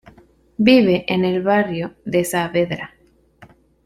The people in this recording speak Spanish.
Vive en el barrio de Saavedra.